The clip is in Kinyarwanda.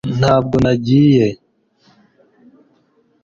ntabwo nagiye